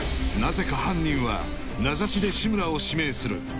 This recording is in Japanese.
なぜか犯人は名指しで志村を指名する・